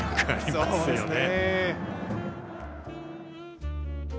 「そうですね」。